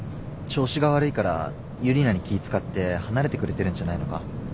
調子が悪いからユリナに気ぃ遣って離れてくれてるんじゃないのか？